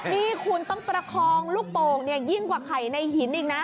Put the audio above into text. นี่คุณต้องประคองลูกโป่งยิ่งกว่าไข่ในหินอีกนะ